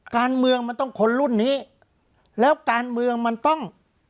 การเมืองมันต้องคนรุ่นนี้แล้วการเมืองมันต้อง